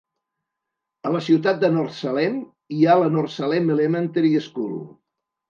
A la ciutat de North Salem hi ha la North Salem Elementary School.